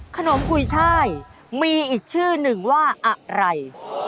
ขนมกุยชายมีอีกชื่อนึงว่าอะไร